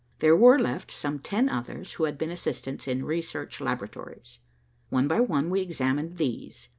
There were left some ten others who had been assistants in research laboratories. One by one we examined these.